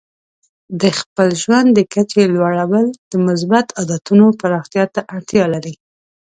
د خپل ژوند د کچې لوړول د مثبتو عادتونو پراختیا ته اړتیا لري.